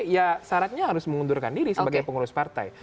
ya syaratnya harus mengundurkan diri sebagai pengurus partai